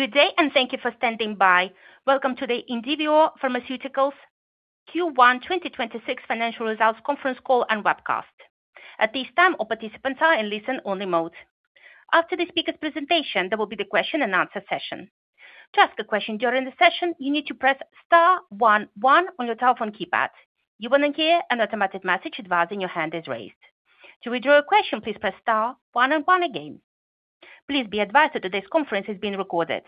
Good day, and thank you for standing by. Welcome to the Indivior Pharmaceuticals Q1 2026 financial results conference call and webcast. At this time, all participants are in listen only mode. After the speaker's presentation, there will be the question-and-answer session. To ask a question during the session, you need to press star one one on your telephone keypad. You will hear an automatic message advising your hand is raised. To withdraw your question, please press star one and one again. Please be advised that today's conference is being recorded.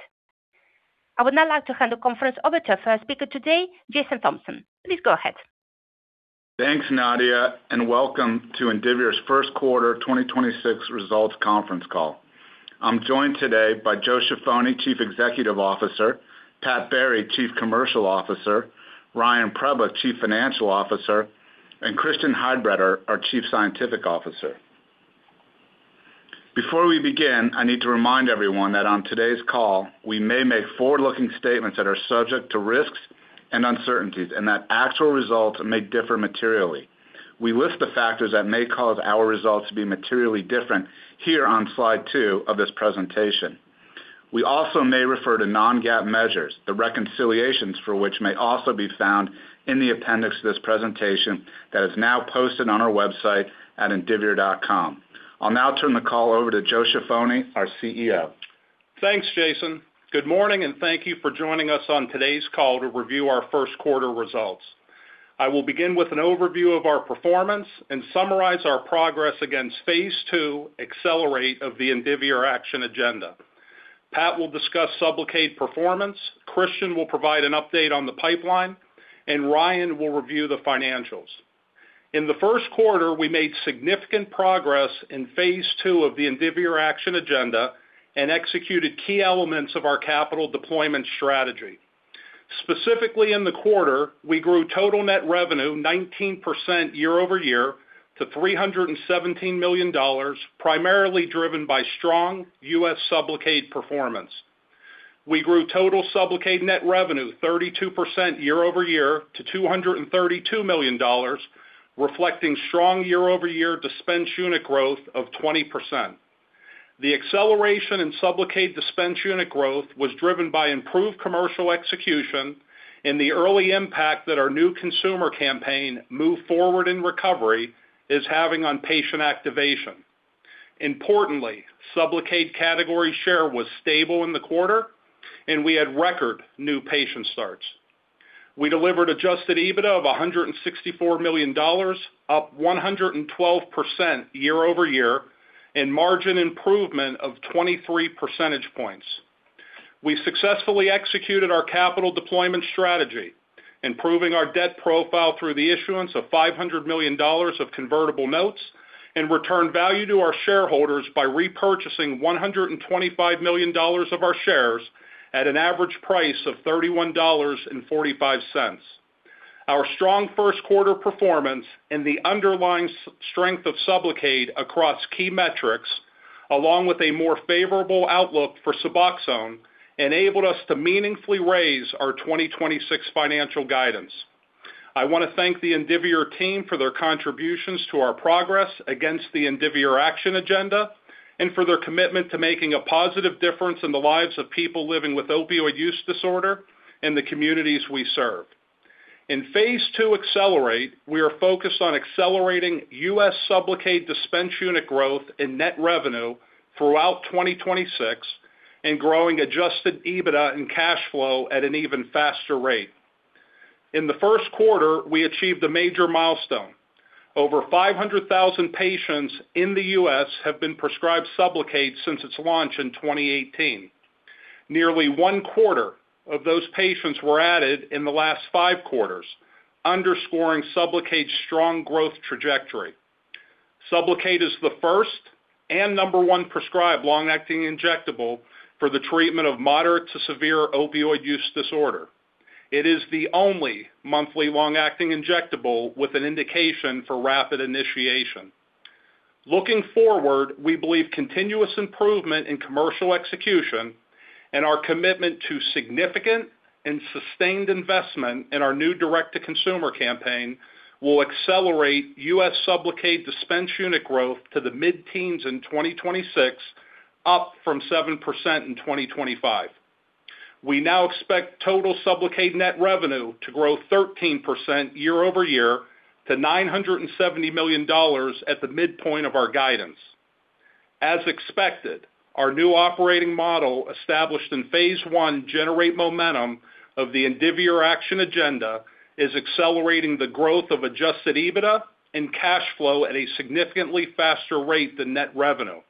I would now like to hand the conference over to our first speaker today, Jason Thompson. Please go ahead. Thanks, Nadia, welcome to Indivior's first quarter 2026 results conference call. I'm joined today by Joe Ciaffoni, Chief Executive Officer, Patrick Barry, Chief Commercial Officer, Ryan Preblick, Chief Financial Officer, and Christian Heidbreder, our Chief Scientific Officer. Before we begin, I need to remind everyone that on today's call, we may make forward-looking statements that are subject to risks and uncertainties and that actual results may differ materially. We list the factors that may cause our results to be materially different here on slide two of this presentation. We also may refer to non-GAAP measures, the reconciliations for which may also be found in the appendix of this presentation that is now posted on our website at indivior.com. I'll now turn the call over to Joe Ciaffoni, our CEO. Thanks, Jason. Good morning, and thank you for joining us on today's call to review our first quarter results. I will begin with an overview of our performance and summarize our progress against phase II accelerate of the Indivior Action Agenda. Pat will discuss SUBLOCADE performance, Christian will provide an update on the pipeline, Ryan will review the financials. In the first quarter, we made significant progress in phase II of the Indivior Action Agenda executed key elements of our capital deployment strategy. Specifically, in the quarter, we grew total net revenue 19% year-over-year to $317 million, primarily driven by strong U.S. SUBLOCADE performance. We grew total SUBLOCADE net revenue 32% year-over-year to $232 million, reflecting strong year-over-year dispense unit growth of 20%. The acceleration in SUBLOCADE dispense unit growth was driven by improved commercial execution and the early impact that our new consumer campaign, Move Forward in Recovery, is having on patient activation. Importantly, SUBLOCADE category share was stable in the quarter, and we had record new patient starts. We delivered adjusted EBITDA of $164 million, up 112% year-over-year and margin improvement of 23 percentage points. We successfully executed our capital deployment strategy, improving our debt profile through the issuance of $500 million of convertible notes and returned value to our shareholders by repurchasing $125 million of our shares at an average price of $31.45. Our strong first quarter performance and the underlying strength of SUBLOCADE across key metrics, along with a more favorable outlook for SUBOXONE, enabled us to meaningfully raise our 2026 financial guidance. I wanna thank the Indivior team for their contributions to our progress against the Indivior Action Agenda and for their commitment to making a positive difference in the lives of people living with opioid use disorder and the communities we serve. In phase two accelerate, we are focused on accelerating U.S. SUBLOCADE dispense unit growth and net revenue throughout 2026 and growing adjusted EBITDA and cash flow at an even faster rate. In the first quarter, we achieved a major milestone. Over 500,000 patients in the U.S. have been prescribed SUBLOCADE since its launch in 2018. Nearly 1/4 of those patients were added in the last five quarters, underscoring SUBLOCADE's strong growth trajectory. SUBLOCADE is the first and number one prescribed long-acting injectable for the treatment of moderate to severe opioid use disorder. It is the only monthly long-acting injectable with an indication for rapid initiation. Looking forward, we believe continuous improvement in commercial execution and our commitment to significant and sustained investment in our new direct-to-consumer campaign will accelerate U.S. SUBLOCADE dispense unit growth to the mid-teens in 2026, up from 7% in 2025. We now expect total SUBLOCADE net revenue to grow 13% year-over-year to $970 million at the midpoint of our guidance. As expected, our new operating model established in phase I generate momentum of the Indivior Action Agenda is accelerating the growth of adjusted EBITDA and cash flow at a significantly faster rate than net revenue.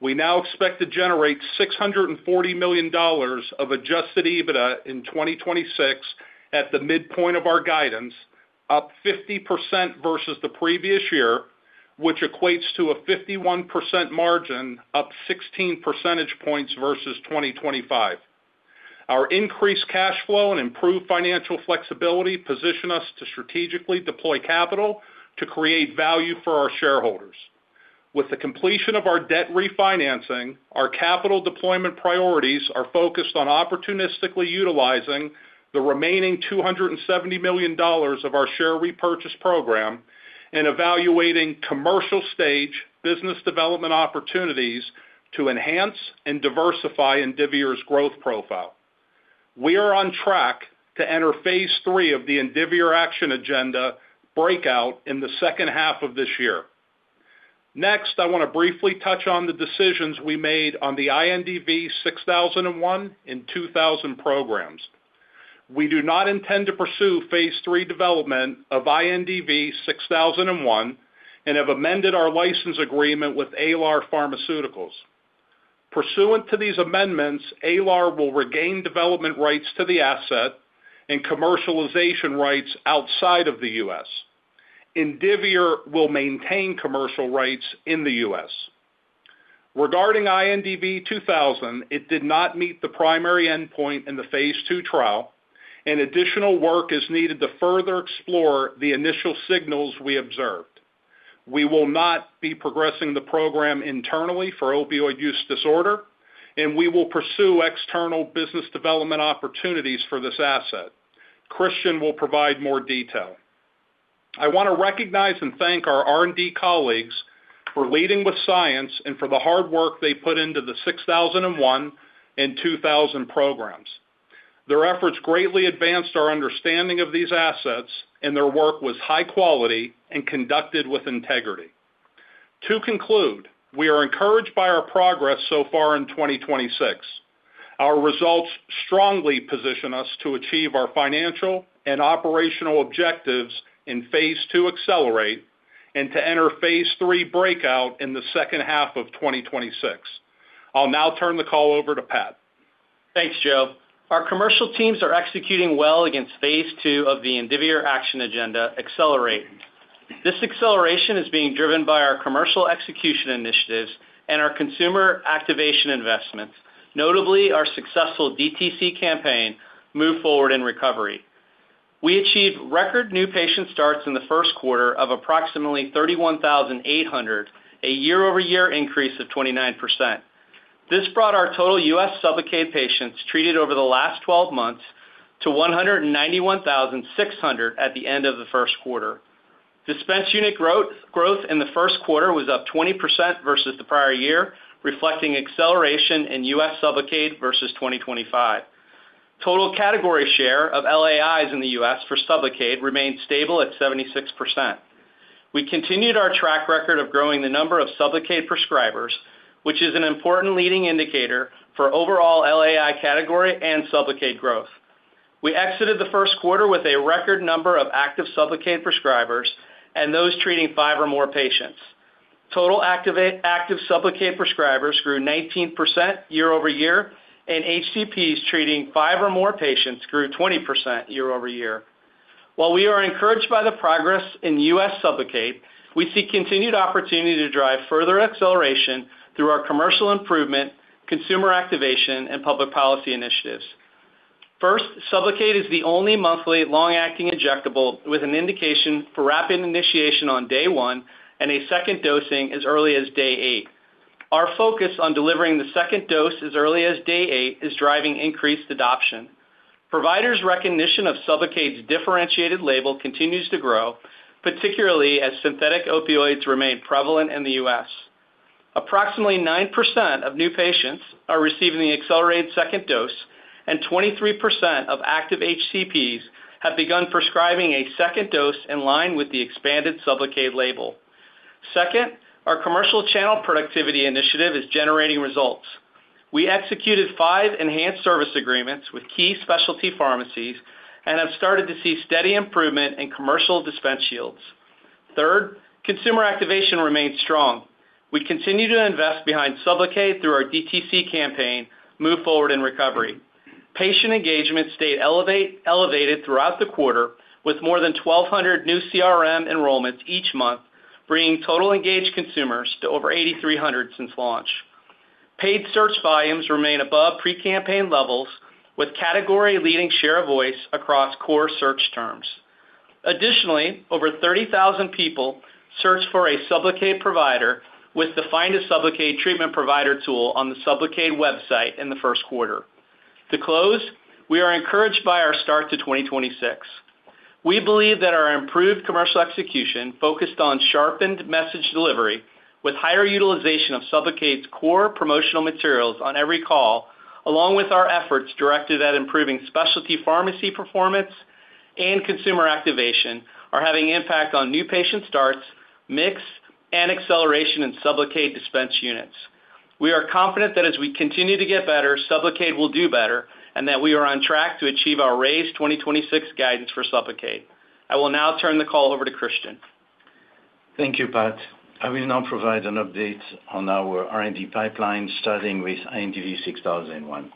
We now expect to generate $640 million of adjusted EBITDA in 2026 at the midpoint of our guidance, up 50% versus the previous year, which equates to a 51% margin, up 16 percentage points versus 2025. Our increased cash flow and improved financial flexibility position us to strategically deploy capital to create value for our shareholders. With the completion of our debt refinancing, our capital deployment priorities are focused on opportunistically utilizing the remaining $270 million of our share repurchase program and evaluating commercial stage business development opportunities to enhance and diversify Indivior's growth profile. We are on track to enter phase III of the Indivior Action Agenda breakout in the second half of this year. Next, I wanna briefly touch on the decisions we made on the INDV-6001 and INDV-2000 programs. We do not intend to pursue phase III development of INDV-6001, and have amended our license agreement with Alar Pharmaceuticals. Pursuant to these amendments, Alar will regain development rights to the asset and commercialization rights outside of the U.S. Indivior will maintain commercial rights in the U.S. Regarding INDV-2000, it did not meet the primary endpoint in the phase II trial, and additional work is needed to further explore the initial signals we observed. We will not be progressing the program internally for opioid use disorder, and we will pursue external business development opportunities for this asset. Christian will provide more detail. I want to recognize and thank our R&D colleagues for leading with science and for the hard work they put into the INDV-6001 and INDV-2000 programs. Their efforts greatly advanced our understanding of these assets, and their work was high quality and conducted with integrity. To conclude, we are encouraged by our progress so far in 2026. Our results strongly position us to achieve our financial and operational objectives in phase II Accelerate and to enter phase III Breakout in the second half of 2026. I'll now turn the call over to Pat. Thanks, Joe. Our commercial teams are executing well against phase II of the Indivior Action Agenda, Accelerate. This acceleration is being driven by our commercial execution initiatives and our consumer activation investments, notably our successful DTC campaign, Move Forward in Recovery. We achieved record new patient starts in the first quarter of approximately 31,800, a year-over-year increase of 29%. This brought our total U.S. SUBLOCADE patients treated over the last 12 months to 191,600 at the end of the first quarter. Dispense unit growth in the first quarter was up 20% versus the prior year, reflecting acceleration in U.S. SUBLOCADE versus 2025. Total category share of LAIs in the U.S. for SUBLOCADE remained stable at 76%. We continued our track record of growing the number of SUBLOCADE prescribers, which is an important leading indicator for overall LAI category and SUBLOCADE growth. We exited the first quarter with a record number of active SUBLOCADE prescribers and those treating five or more patients. Total active SUBLOCADE prescribers grew 19% year-over-year, and HCPs treating five or more patients grew 20% year-over-year. While we are encouraged by the progress in U.S. SUBLOCADE, we see continued opportunity to drive further acceleration through our commercial improvement, consumer activation, and public policy initiatives. First, SUBLOCADE is the only monthly long-acting injectable with an indication for rapid initiation on day one and a second dosing as early as day eight. Our focus on delivering the second dose as early as day eight is driving increased adoption. Providers' recognition of SUBLOCADE's differentiated label continues to grow, particularly as synthetic opioids remain prevalent in the U.S. Approximately 9% of new patients are receiving the accelerated second dose, and 23% of active HCPs have begun prescribing a second dose in line with the expanded SUBLOCADE label. Second, our commercial channel productivity initiative is generating results. We executed five enhanced service agreements with key specialty pharmacies and have started to see steady improvement in commercial dispense yields. Third, consumer activation remains strong. We continue to invest behind SUBLOCADE through our DTC campaign, Move Forward in Recovery. Patient engagement stayed elevated throughout the quarter, with more than 1,200 new CRM enrollments each month, bringing total engaged consumers to over 8,300 since launch. Paid search volumes remain above pre-campaign levels, with category-leading share of voice across core search terms. Additionally, over 30,000 people searched for a SUBLOCADE provider with the Find a SUBLOCADE Treatment Provider tool on the SUBLOCADE website in the first quarter. To close, we are encouraged by our start to 2026. We believe that our improved commercial execution focused on sharpened message delivery with higher utilization of SUBLOCADE's core promotional materials on every call, along with our efforts directed at improving specialty pharmacy performance and consumer activation are having impact on new patient starts, mix, and acceleration in SUBLOCADE dispense units. We are confident that as we continue to get better, SUBLOCADE will do better and that we are on track to achieve our raised 2026 guidance for SUBLOCADE. I will now turn the call over to Christian. Thank you, Pat. I will now provide an update on our R&D pipeline starting with INDV-6001.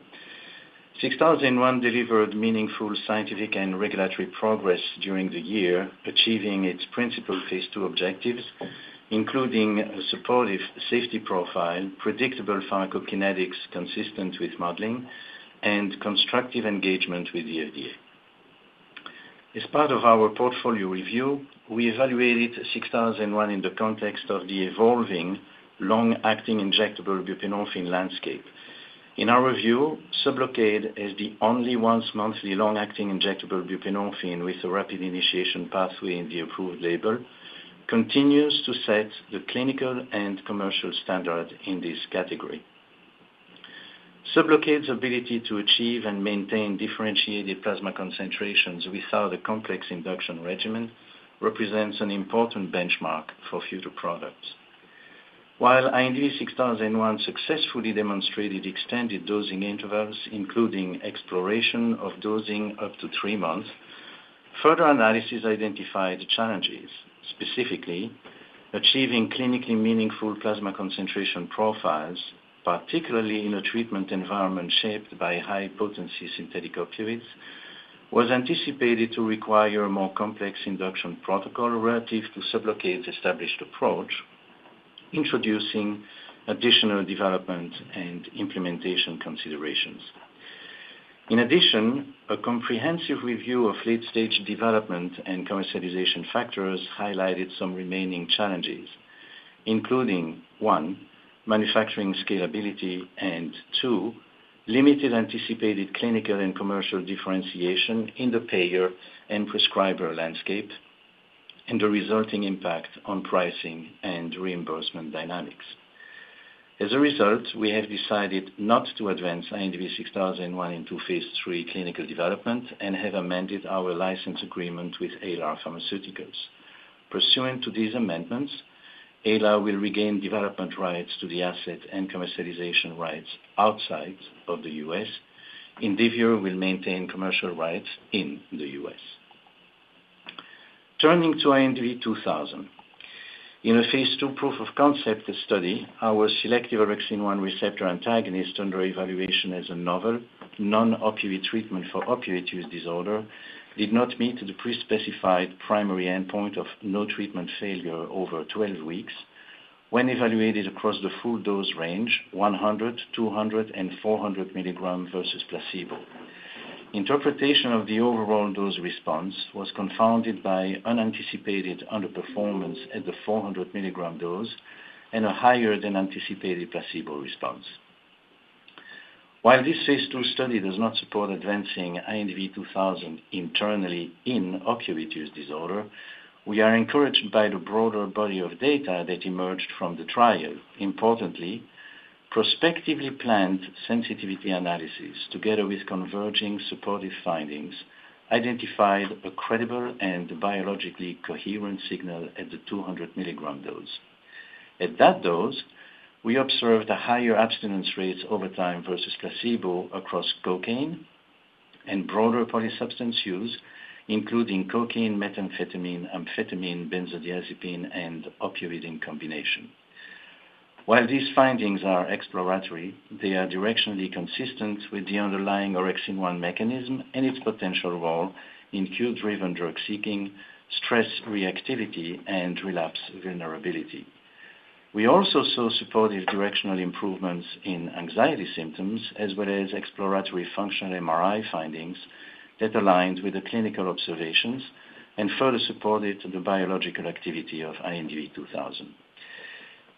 INDV-6001 delivered meaningful scientific and regulatory progress during the year, achieving its principal phase II objectives, including a supportive safety profile, predictable pharmacokinetics consistent with modeling, and constructive engagement with the FDA. As part of our portfolio review, we evaluated INDV-6001 in the context of the evolving long-acting injectable buprenorphine landscape. In our review, SUBLOCADE is the only once-monthly long-acting injectable buprenorphine with a rapid initiation pathway in the approved label, continues to set the clinical and commercial standard in this category. SUBLOCADE's ability to achieve and maintain differentiated plasma concentrations without a complex induction regimen represents an important benchmark for future products. While INDV-6001 successfully demonstrated extended dosing intervals, including exploration of dosing up to three months, further analysis identified challenges, specifically, achieving clinically meaningful plasma concentration profiles, particularly in a treatment environment shaped by high-potency synthetic opioids, was anticipated to require more complex induction protocol relative to SUBLOCADE's established approach, introducing additional development and implementation considerations. In addition, a comprehensive review of late-stage development and commercialization factors highlighted some remaining challenges, including, one, manufacturing scalability, and two, limited anticipated clinical and commercial differentiation in the payer and prescriber landscape, and the resulting impact on pricing and reimbursement dynamics. As a result, we have decided not to advance INDV-6001 into phase III clinical development and have amended our license agreement with Alar Pharmaceuticals. Pursuant to these amendments, Alar will regain development rights to the asset and commercialization rights outside of the U.S. Indivior will maintain commercial rights in the U.S. Turning to INDV-2000. In a phase II proof of concept study, our selective orexin-1 receptor antagonist under evaluation as a novel, non-opioid treatment for opioid use disorder did not meet the pre-specified primary endpoint of no treatment failure over 12 weeks when evaluated across the full dose range, 100, 200, and 400 mg versus placebo. Interpretation of the overall dose response was confounded by unanticipated underperformance at the 400 mg dose and a higher than anticipated placebo response. While this phase II study does not support advancing INDV-2000 internally in opioid use disorder, we are encouraged by the broader body of data that emerged from the trial. Importantly, prospectively planned sensitivity analysis, together with converging supportive findings, identified a credible and biologically coherent signal at the 200 mg dose. At that dose, we observed higher abstinence rates over time versus placebo across cocaine and broader polysubstance use, including cocaine, methamphetamine, amphetamine, benzodiazepine, and opioid in combination. While these findings are exploratory, they are directionally consistent with the underlying orexin-1 mechanism and its potential role in cue-driven drug seeking, stress reactivity, and relapse vulnerability. We also saw supportive directional improvements in anxiety symptoms, as well as exploratory functional MRI findings that aligned with the clinical observations and further supported the biological activity of INDV-2000.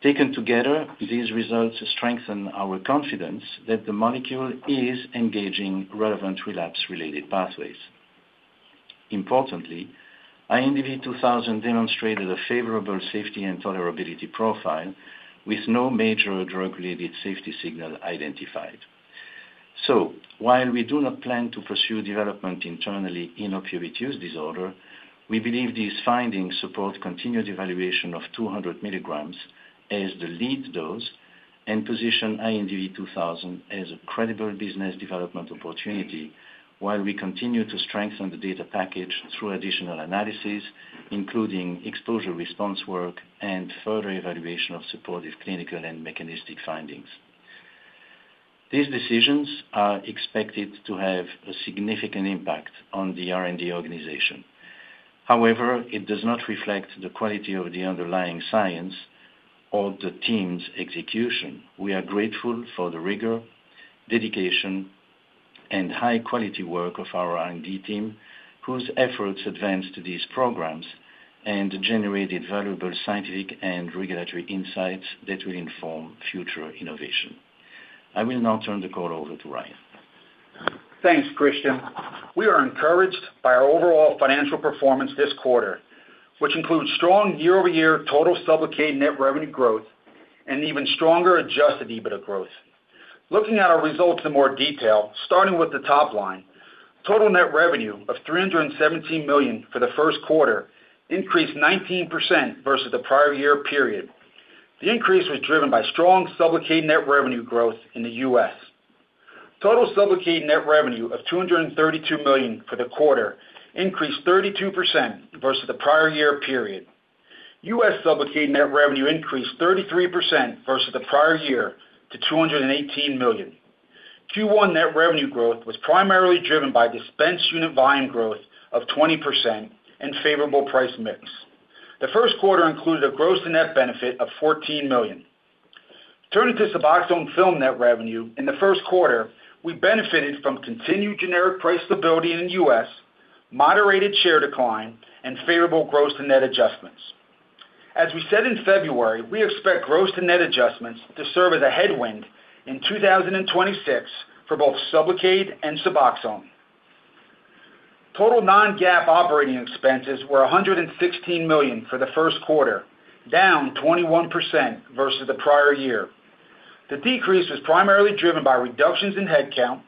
Taken together, these results strengthen our confidence that the molecule is engaging relevant relapse-related pathways. Importantly, INDV-2000 demonstrated a favorable safety and tolerability profile with no major drug-related safety signal identified. While we do not plan to pursue development internally in opioid use disorder, we believe these findings support continued evaluation of 200 mg as the lead dose and position INDV-2000 as a credible business development opportunity while we continue to strengthen the data package through additional analysis, including exposure-response work and further evaluation of supportive clinical and mechanistic findings. These decisions are expected to have a significant impact on the R&D organization. However, it does not reflect the quality of the underlying science or the team's execution. We are grateful for the rigor, dedication, and high-quality work of our R&D team, whose efforts advanced these programs and generated valuable scientific and regulatory insights that will inform future innovation. I will now turn the call over to Ryan. Thanks, Christian. We are encouraged by our overall financial performance this quarter, which includes strong year-over-year total SUBLOCADE net revenue growth and even stronger adjusted EBITDA growth. Looking at our results in more detail, starting with the top line, total net revenue of $317 million for the first quarter increased 19% versus the prior year period. The increase was driven by strong SUBLOCADE net revenue growth in the U.S. Total SUBLOCADE net revenue of $232 million for the quarter increased 32% versus the prior year period. U.S. SUBLOCADE net revenue increased 33% versus the prior year to $218 million. Q1 net revenue growth was primarily driven by dispensed unit volume growth of 20% and favorable price mix. The first quarter included a gross-to-net benefit of $14 million. Turning to SUBOXONE Film net revenue, in the first quarter, we benefited from continued generic price stability in the U.S., moderated share decline, and favorable gross-to-net adjustments. As we said in February, we expect gross-to-net adjustments to serve as a headwind in 2026 for both SUBLOCADE and SUBOXONE. Total non-GAAP operating expenses were $116 million for the first quarter, down 21% versus the prior year. The decrease was primarily driven by reductions in headcount,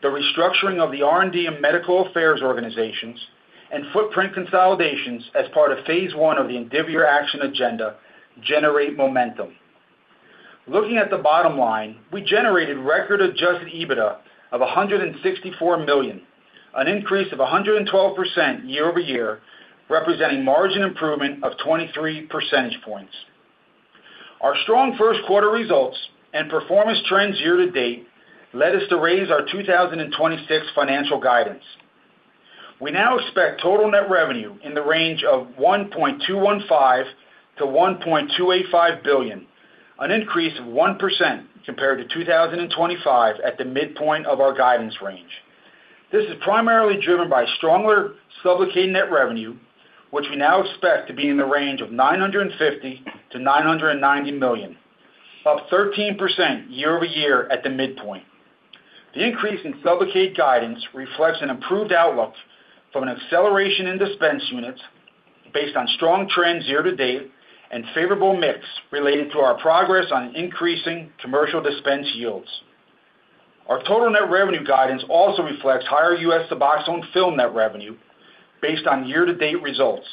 the restructuring of the R&D and Medical Affairs Organizations, and footprint consolidations as part of phase I of the Indivior Action Agenda generate momentum. Looking at the bottom line, we generated record adjusted EBITDA of $164 million, an increase of 112% year-over-year, representing margin improvement of 23 percentage points. Our strong first quarter results and performance trends year-to-date led us to raise our 2026 financial guidance. We now expect total net revenue in the range of $1.215 billion-$1.285 billion, an increase of 1% compared to 2025 at the midpoint of our guidance range. This is primarily driven by stronger SUBLOCADE net revenue, which we now expect to be in the range of $950 million-$990 million, up 13% year-over-year at the midpoint. The increase in SUBLOCADE guidance reflects an improved outlook from an acceleration in dispense units based on strong trends year-to-date and favorable mix related to our progress on increasing commercial dispense yields. Our total net revenue guidance also reflects higher U.S. SUBOXONE Film net revenue based on year-to-date results,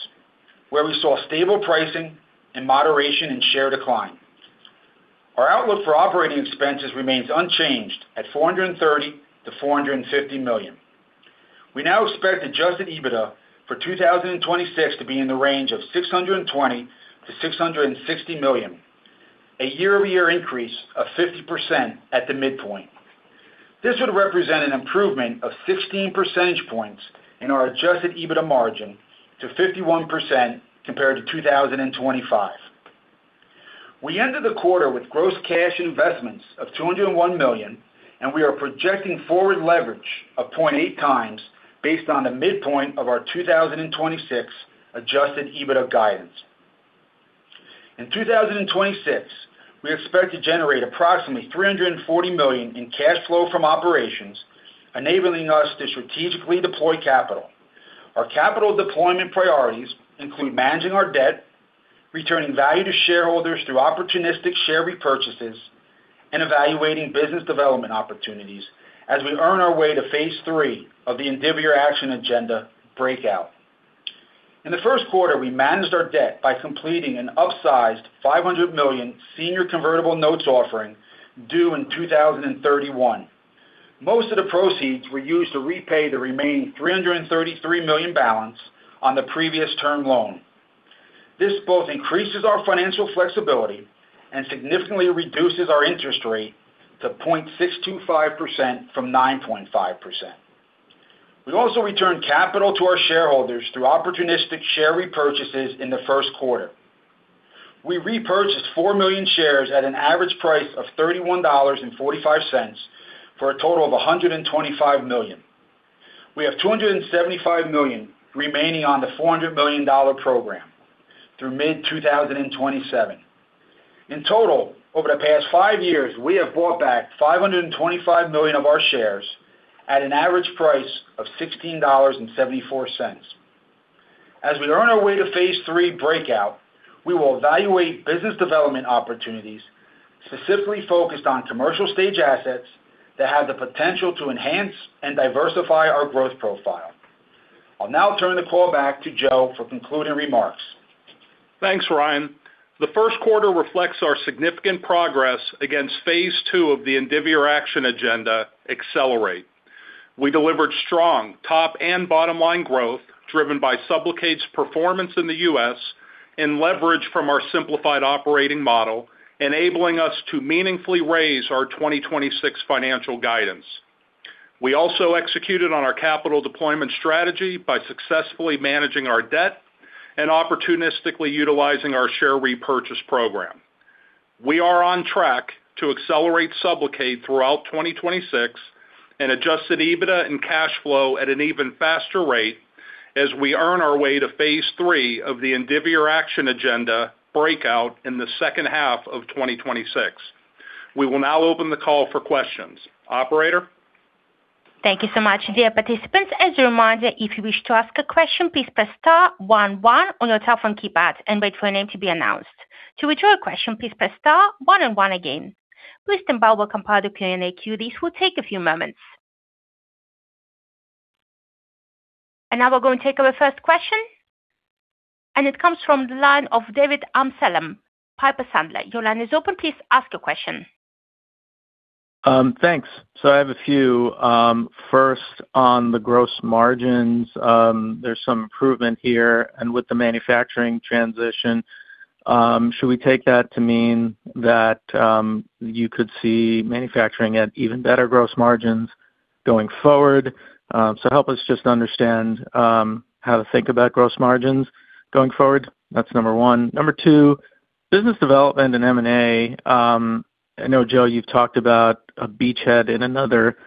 where we saw stable pricing and moderation in share decline. Our outlook for operating expenses remains unchanged at $430 million-$450 million. We now expect adjusted EBITDA for 2026 to be in the range of $620 million-$660 million, a year-over-year increase of 50% at the midpoint. This would represent an improvement of 16 percentage points in our adjusted EBITDA margin to 51% compared to 2025. We ended the quarter with gross cash investments of $201 million, and we are projecting forward leverage of 0.8 times based on the midpoint of our 2026 adjusted EBITDA guidance. In 2026, we expect to generate approximately $340 million in cash flow from operations, enabling us to strategically deploy capital. Our capital deployment priorities include managing our debt, returning value to shareholders through opportunistic share repurchases, and evaluating business development opportunities as we earn our way to phase III of the Indivior Action Agenda breakout. In the first quarter, we managed our debt by completing an upsized $500 million senior convertible notes offering due in 2031. Most of the proceeds were used to repay the remaining $333 million balance on the previous term loan. This both increases our financial flexibility and significantly reduces our interest rate to 0.625% from 9.5%. We also returned capital to our shareholders through opportunistic share repurchases in the first quarter. We repurchased 4 million shares at an average price of $31.45 for a total of $125 million. We have $275 million remaining on the $400 million program through mid-2027. In total, over the past five years, we have bought back $525 million of our shares at an average price of $16.74. As we earn our way to phase III Breakout, we will evaluate business development opportunities specifically focused on commercial stage assets that have the potential to enhance and diversify our growth profile. I'll now turn the call back to Joe for concluding remarks. Thanks, Ryan. The first quarter reflects our significant progress against phase II of the Indivior Action Agenda, accelerate. We delivered strong top and bottom line growth driven by SUBLOCADE's performance in the U.S. and leverage from our simplified operating model, enabling us to meaningfully raise our 2026 financial guidance. We also executed on our capital deployment strategy by successfully managing our debt and opportunistically utilizing our share repurchase program. We are on track to accelerate SUBLOCADE throughout 2026 and adjusted EBITDA and cash flow at an even faster rate as we earn our way to phase III of the Indivior Action Agenda breakout in the second half of 2026. We will now open the call for questions. Operator? Thank you so much. Dear participants, as a reminder, if you wish to ask a question, please press star one one on your telephone and wait for your name to be announced. To withdraw your question, please press star one one again. Now we're going to take our first question, and it comes from the line of David Amsellem, Piper Sandler. Your line is open, please ask your question. Thanks. I have a few. First, on the gross margins, there's some improvement here and with the manufacturing transition, should we take that to mean that you could see manufacturing at even better gross margins going forward? Help us just understand how to think about gross margins going forward. That's number one. Number two, business development and M&A. I know, Joe, you've talked about a beachhead in another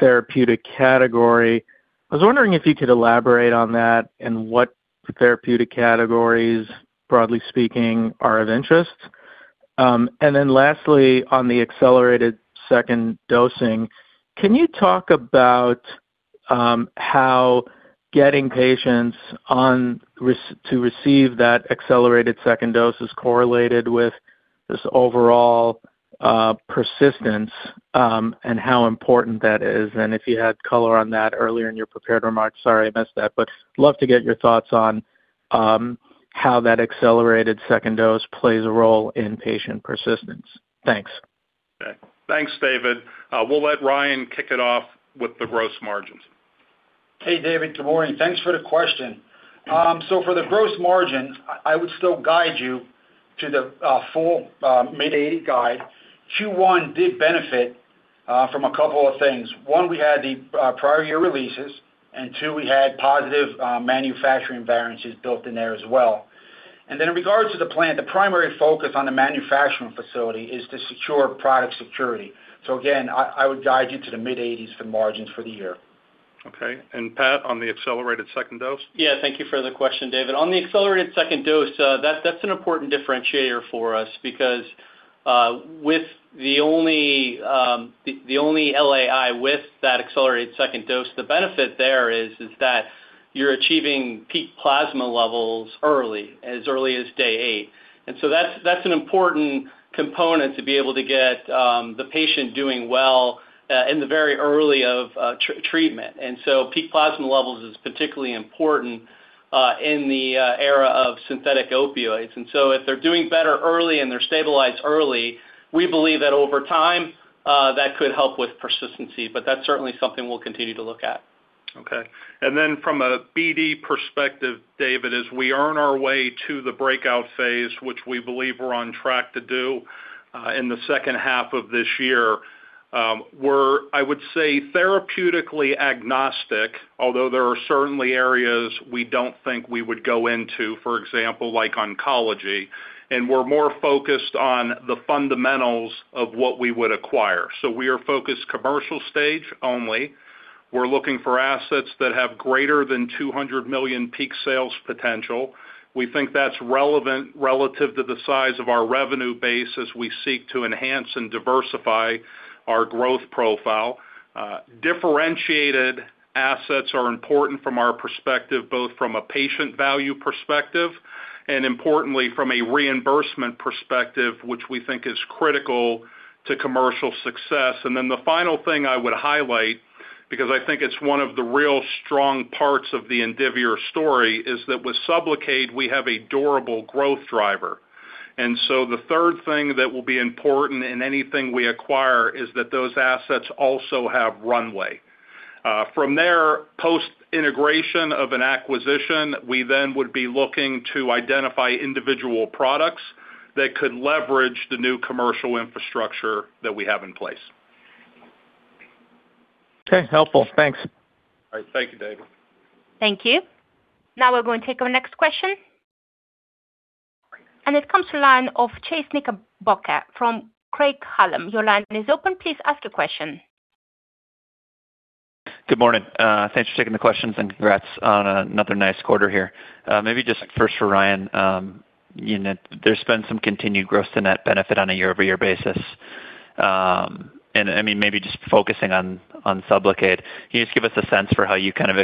therapeutic category. I was wondering if you could elaborate on that and what therapeutic categories, broadly speaking, are of interest? Lastly, on the accelerated second dosing, can you talk about how getting patients to receive that accelerated second dose is correlated with this overall persistence, and how important that is? If you had color on that earlier in your prepared remarks, sorry, I missed that. Love to get your thoughts on how that accelerated second dose plays a role in patient persistence. Thanks. Okay. Thanks, David. We'll let Ryan kick it off with the gross margins. Hey, David. Good morning. Thanks for the question. For the gross margins, I would still guide you to the full mid-80% guide. Q1 did benefit from a couple of things. One, we had the prior year releases, and two, we had positive manufacturing variances built in there as well. In regards to the plan, the primary focus on the manufacturing facility is to secure product security. Again, I would guide you to the mid-80s for margins for the year. Okay. Pat, on the accelerated second dose? Yeah. Thank you for the question, David. On the accelerated second dose, that's an important differentiator for us because with the only LAI with that accelerated second dose, the benefit there is that you're achieving peak plasma levels early, as early as day eight. That's an important component to be able to get the patient doing well in the very early of treatment. Peak plasma levels is particularly important in the era of synthetic opioids. If they're doing better early and they're stabilized early, we believe that over time, that could help with persistency, but that's certainly something we'll continue to look at. Okay. From a BD perspective, David, as we earn our way to the breakout phase, which we believe we're on track to do in the second half of this year, we're, I would say, therapeutically agnostic, although there are certainly areas we don't think we would go into, for example, like oncology, and we're more focused on the fundamentals of what we would acquire. We are focused commercial stage only. We're looking for assets that have greater than $200 million peak sales potential. We think that's relevant relative to the size of our revenue base as we seek to enhance and diversify our growth profile. Differentiated assets are important from our perspective, both from a patient value perspective and importantly from a reimbursement perspective, which we think is critical to commercial success. The final thing I would highlight, because I think it's one of the real strong parts of the Indivior story, is that with SUBLOCADE, we have a durable growth driver. The third thing that will be important in anything we acquire is that those assets also have runway. From there, post-integration of an acquisition, we then would be looking to identify individual products that could leverage the new commercial infrastructure that we have in place. Okay, helpful. Thanks. All right. Thank you, David. Thank you. Now we're going to take our next question. It comes to line of Chase Knickerbocker from Craig-Hallum. Your line is open, please ask a question. Good morning. Thanks for taking the questions and congrats on another nice quarter here. Maybe just first for Ryan, you know, there's been some continued gross-to-net benefit on a year-over-year basis. I mean, maybe just focusing on SUBLOCADE, can you just give us a sense for how you kinda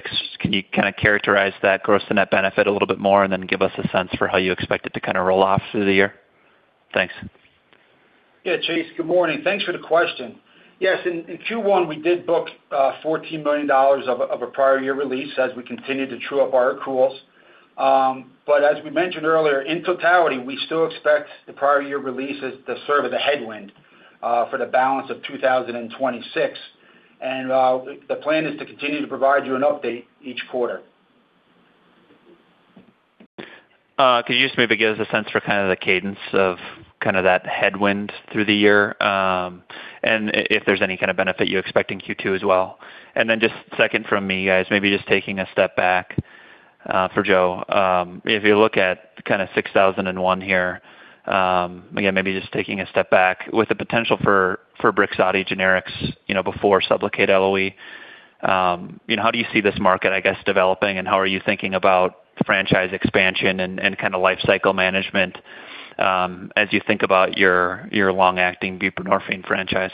characterize that gross-to-net benefit a little bit more and then give us a sense for how you expect it to kinda roll off through the year? Thanks. Yeah, Chase, good morning. Thanks for the question. Yes, in Q1, we did book $14 million of a prior year release as we continue to true up our accruals. As we mentioned earlier, in totality, we still expect the prior year releases to serve as a headwind for the balance of 2026. The plan is to continue to provide you an update each quarter. Could you just maybe give us a sense for kinda the cadence of kinda that headwind through the year, and if there's any kinda benefit you expect in Q2 as well? Just second from me, guys, maybe just taking a step back, for Joe. If you look at kinda INDV-6001 here, again, maybe just taking a step back with the potential for BRIXADI generics, you know, before SUBLOCADE LOE, you know, how do you see this market, I guess, developing? How are you thinking about franchise expansion and kinda life cycle management, as you think about your long-acting buprenorphine franchise,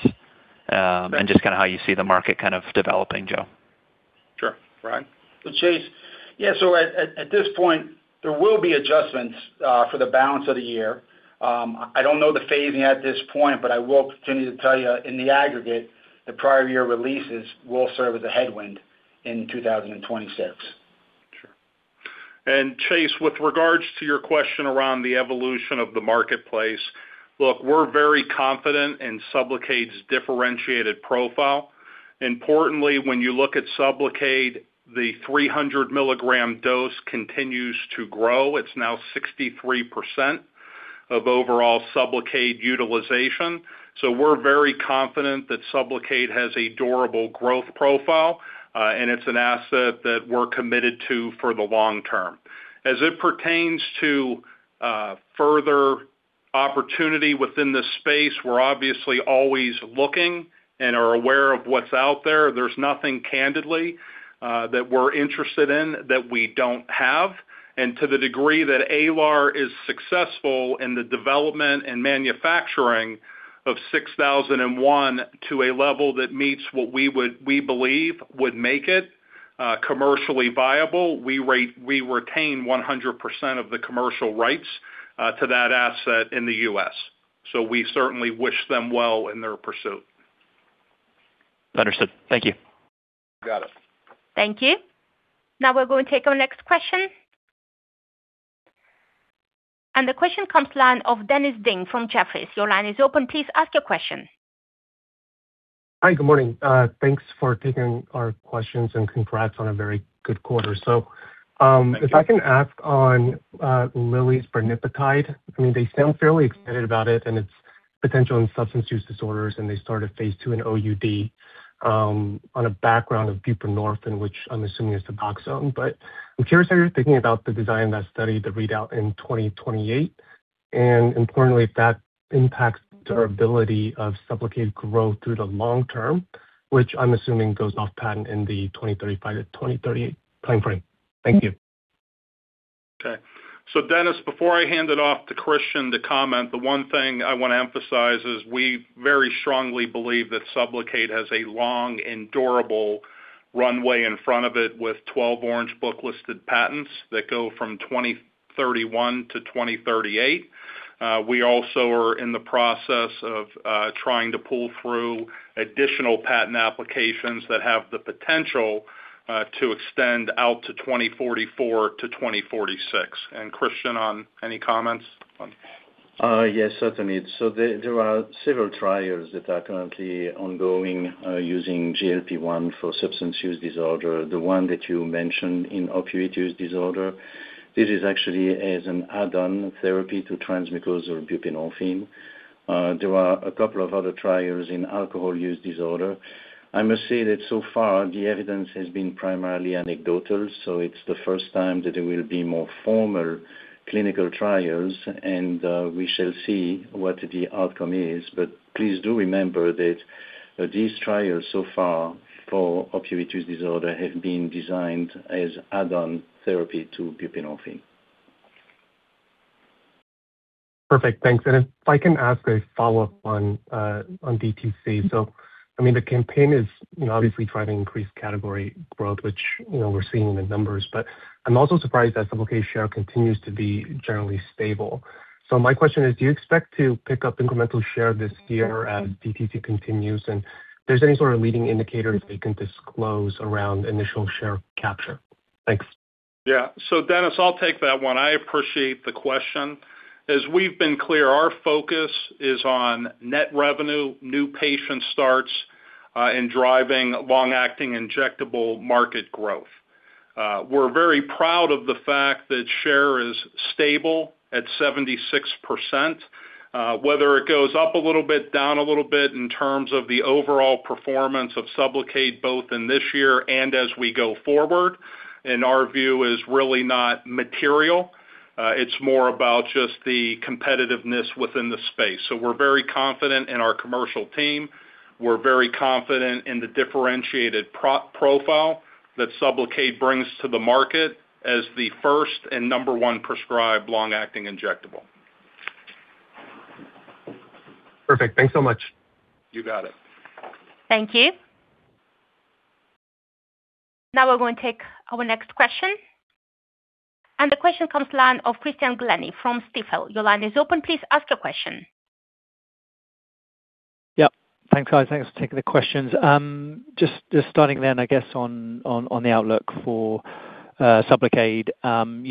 and just kinda how you see the market kind of developing, Joe? Sure. Ryan? Chase, yeah, at this point, there will be adjustments for the balance of the year. I don't know the phasing at this point, I will continue to tell you in the aggregate, the prior year releases will serve as a headwind in 2026. Sure. Chase, with regards to your question around the evolution of the marketplace, look, we're very confident in SUBLOCADE's differentiated profile. Importantly, when you look at SUBLOCADE, the 300 mg dose continues to grow. It's now 63% of overall SUBLOCADE utilization. We're very confident that SUBLOCADE has a durable growth profile, and it's an asset that we're committed to for the long term. As it pertains to further opportunity within the space, we're obviously always looking and are aware of what's out there. There's nothing candidly that we're interested in that we don't have, and to the degree that Alar is successful in the development and manufacturing of INDV-6001 to a level that meets what we believe would make it commercially viable, we retain 100% of the commercial rights to that asset in the U.S. We certainly wish them well in their pursuit. Understood, thank you. You got it. Thank you. Now we're going to take our next question. The question comes line of Dennis Ding from Jefferies. Your line is open, please ask your question. Hi, good morning. Thanks for taking our questions, and congrats on a very good quarter. Thank you. If I can ask on Lilly's brenipatide. I mean, they sound fairly excited about it and its potential in substance use disorders, and they started phase II in OUD on a background of buprenorphine, which I'm assuming is SUBOXONE. I'm curious how you're thinking about the design of that study, the readout in 2028, and importantly, if that impacts durability of SUBLOCADE growth through the long term, which I'm assuming goes off patent in the 2035 to 2038 time frame. Thank you. Okay. Dennis, before I hand it off to Christian to comment, the one thing I want to emphasize is we very strongly believe that SUBLOCADE has a long and durable runway in front of it with 12 Orange Book listed patents that go from 2031 to 2038. We also are in the process of trying to pull through additional patent applications that have the potential to extend out to 2044 to 2046. Christian, on any comments on? Yes, certainly. There are several trials that are currently ongoing, using GLP-1 for substance use disorder. The one that you mentioned in opioid use disorder, this is actually as an add-on therapy to transmucosal buprenorphine. There are a couple of other trials in alcohol use disorder. I must say that so far the evidence has been primarily anecdotal, it's the first time that there will be more formal clinical trials and we shall see what the outcome is. Please do remember that these trials so far for opioid use disorder have been designed as add-on therapy to buprenorphine. Perfect, thanks. If I can ask a follow-up on DTC. I mean, the campaign is, you know, obviously trying to increase category growth, which, you know, we're seeing in the numbers, but I'm also surprised that SUBLOCADE share continues to be generally stable. My question is, do you expect to pick up incremental share this year as DTC continues? If there's any sort of leading indicators that you can disclose around initial share capture? Thanks. Yeah. Dennis, I'll take that one. I appreciate the question. As we've been clear, our focus is on net revenue, new patient starts, and driving long-acting injectable market growth. We're very proud of the fact that share is stable at 76%. Whether it goes up a little bit, down a little bit in terms of the overall performance of SUBLOCADE both in this year and as we go forward, in our view is really not material. It's more about just the competitiveness within the space. We're very confident in our commercial team. We're very confident in the differentiated profile that SUBLOCADE brings to the market as the first and number one prescribed long-acting injectable. Perfect. Thanks so much. You got it. Thank you. Now we're going to take our next question. The question comes line of Christian Glennie from Stifel. Your line is open, please ask your question. Yeah. Thanks, guys. Thanks for taking the questions. Just starting, I guess on the outlook for SUBLOCADE. And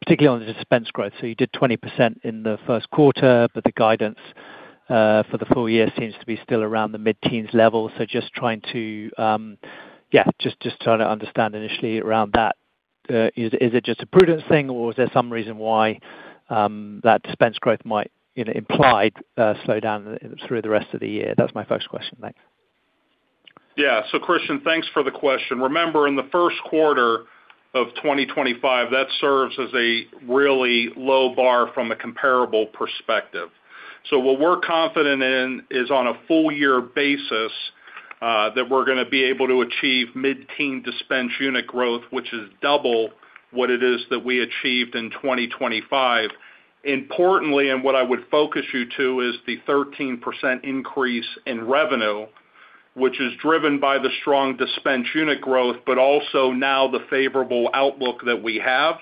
particularly on the dispense growth. You did 20% in the first quarter, the guidance for the full-year seems to be still around the mid-teens level. Just trying to, yeah, just trying to understand initially around that. Is it just a prudence thing, is there some reason why that dispense growth might, you know, imply a slowdown through the rest of the year? That's my first question. Thanks. Yeah. Christian, thanks for the question. Remember, in the first quarter of 2025, that serves as a really low bar from a comparable perspective. What we're confident in is on a full-year basis, that we're gonna be able to achieve mid-teen dispense unit growth, which is double what it is that we achieved in 2025. Importantly, what I would focus you to, is the 13% increase in revenue, which is driven by the strong dispense unit growth, also now the favorable outlook that we have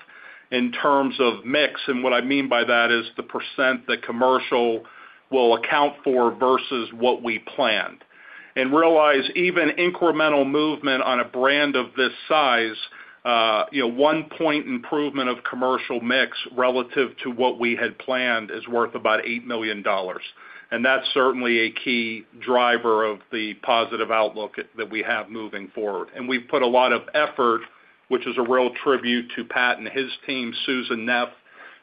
in terms of mix. What I mean by that is the percent that commercial will account for versus what we planned. Realize even incremental movement on a brand of this size, you know, 1 point improvement of commercial mix relative to what we had planned is worth about $8 million. That's certainly a key driver of the positive outlook that we have moving forward. We've put a lot of effort, which is a real tribute to Pat and his team, Susan Neff,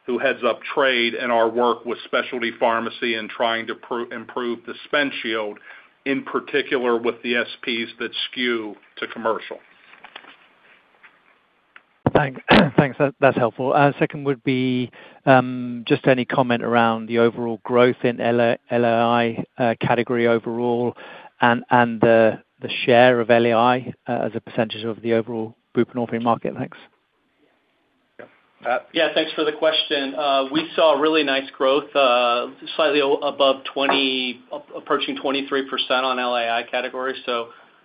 who heads up trade and our work with specialty pharmacy and trying to improve the dispense yield, in particular with the SPs that skew to commercial. Thanks, that's helpful. Second would be just any comment around the overall growth in LAI category overall and the share of LAI as a percentage of the overall buprenorphine market? Thanks. Yeah. Pat? Yeah, thanks for the question. We saw a really nice growth, approaching 23% on LAI category.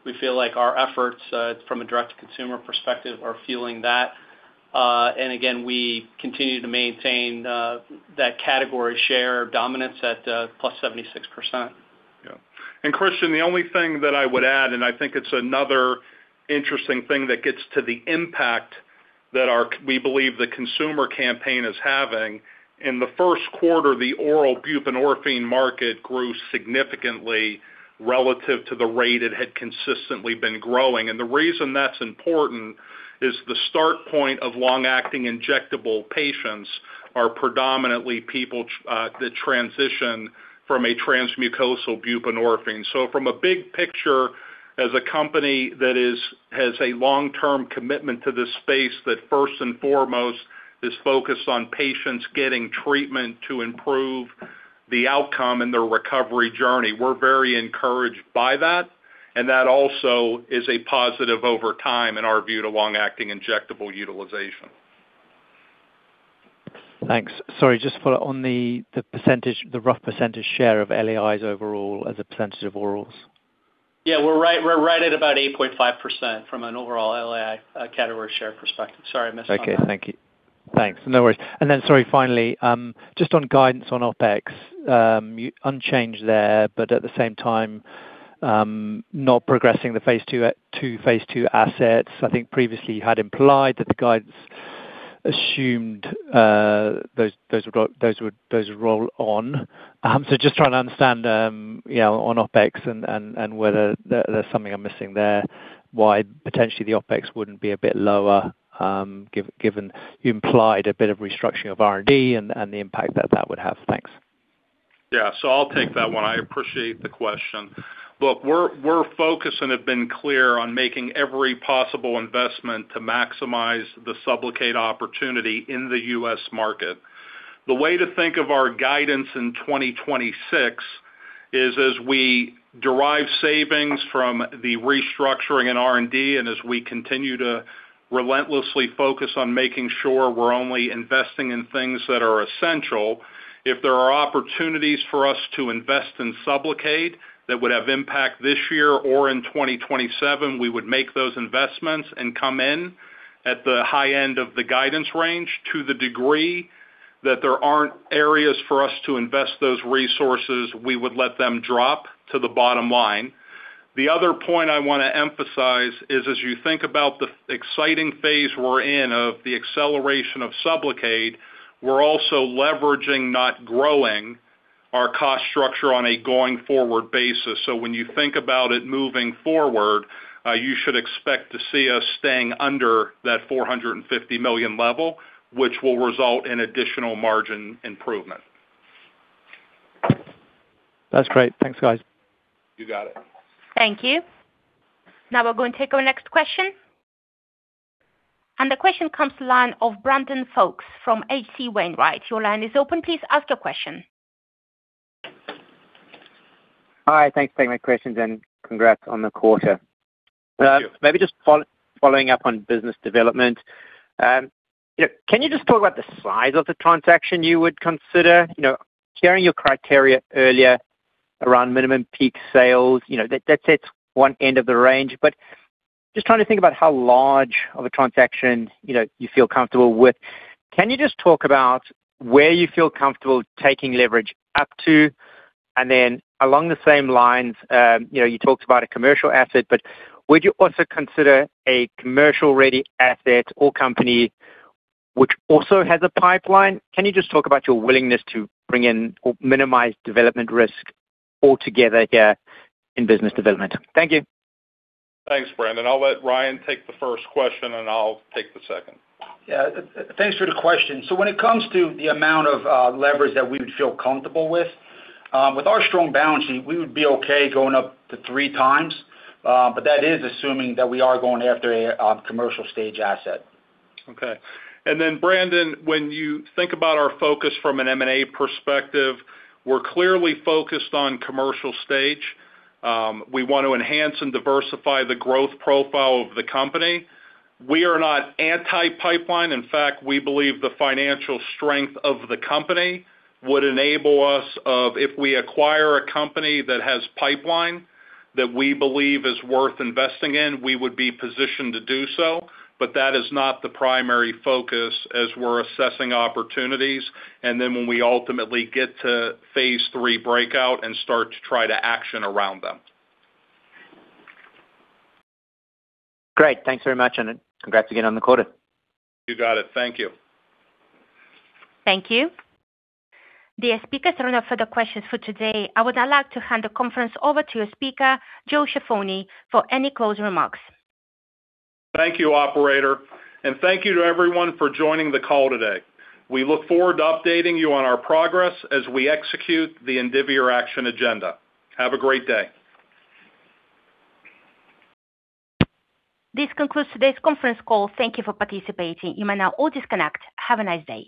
We feel like our efforts, from a direct-to-consumer perspective are fueling that. Again, we continue to maintain that category share dominance at +76%. Yeah. Christian, the only thing that I would add, I think it's another interesting thing that gets to the impact that our we believe the consumer campaign is having. In the first quarter, the oral buprenorphine market grew significantly relative to the rate it had consistently been growing. The reason that's important is the start point of long-acting injectable patients are predominantly people that transition from a transmucosal buprenorphine. From a big picture, as a company that has a long-term commitment to this space that first and foremost is focused on patients getting treatment to improve the outcome in their recovery journey, we're very encouraged by that also is a positive over time in our view to long-acting injectable utilization. Thanks. Sorry, just follow on the percentage, the rough percentage share of LAIs overall as a percentage of orals. Yeah. We're right at about 8.5% from an overall LAI category share perspective. Sorry, I missed on that. Okay. Thank you. Thanks. No worries. Sorry, finally, just on guidance on OpEx, you unchanged there, but at the same time, not progressing the phase II, two phase II assets. I think previously you had implied that the guidance assumed, those would roll on. Just trying to understand, you know, on OpEx and whether there's something I'm missing there, why potentially the OpEx wouldn't be a bit lower, given you implied a bit of restructuring of R&D and the impact that that would have. Thanks. Yeah. I'll take that one. I appreciate the question. Look, we're focused and have been clear on making every possible investment to maximize the SUBLOCADE opportunity in the U.S. market. The way to think of our guidance in 2026 is, as we derive savings from the restructuring in R&D, as we continue to relentlessly focus on making sure we're only investing in things that are essential, if there are opportunities for us to invest in SUBLOCADE that would have impact this year or in 2027, we would make those investments and come in at the high end of the guidance range. To the degree that there aren't areas for us to invest those resources, we would let them drop to the bottom line. The other point I wanna emphasize is, as you think about the exciting phase we're in of the acceleration of SUBLOCADE, we're also leveraging, not growing our cost structure on a going-forward basis. When you think about it moving forward, you should expect to see us staying under that $450 million level, which will result in additional margin improvement. That's great. Thanks, guys. You got it. Thank you. Now we're going to take our next question. The question comes to line of Brandon Folkes from H.C. Wainwright. Your line is open, please ask your question. Hi, thanks for taking my questions. Congrats on the quarter. Thank you. Maybe just following up on business development. You know, can you just talk about the size of the transaction you would consider? You know, hearing your criteria earlier around minimum peak sales, you know, that sets one end of the range. Just trying to think about how large of a transaction, you know, you feel comfortable with? Can you just talk about where you feel comfortable taking leverage up to? Then along the same lines, you know, you talked about a commercial asset, but would you also consider a commercial-ready asset or company which also has a pipeline? Can you just talk about your willingness to bring in or minimize development risk altogether here in business development? Thank you. Thanks, Brandon. I'll let Ryan take the first question, and I'll take the second. Yeah. Thanks for the question. When it comes to the amount of leverage that we would feel comfortable with our strong balance sheet, we would be okay going up to three times, but that is assuming that we are going after a commercial stage asset. Okay. Brandon, when you think about our focus from an M&A perspective, we're clearly focused on commercial stage. We want to enhance and diversify the growth profile of the company. We are not anti-pipeline. In fact, we believe the financial strength of the company would enable us, if we acquire a company that has pipeline that we believe is worth investing in, we would be positioned to do so, but that is not the primary focus as we're assessing opportunities when we ultimately get to phase III Breakout and start to try to action around them. Great. Thanks very much, congrats again on the quarter. You got it. Thank you. Thank you. The speakers are now further questions for today. I would now like to hand the conference over to your speaker, Joe Ciaffoni, for any closing remarks. Thank you, operator, and thank you to everyone for joining the call today. We look forward to updating you on our progress as we execute the Indivior Action Agenda. Have a great day. This concludes today's conference call. Thank you for participating. You may now all disconnect. Have a nice day.